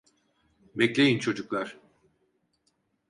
Bekleyin çocuklar.